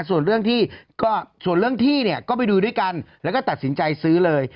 ส่วนเรื่องที่ก็ไปดูด้วยกันแล้วก็ตัดสินใจซื้อเลย